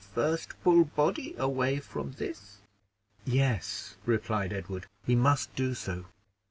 "First pull body away from this." "Yes," replied Edward, "we must do so."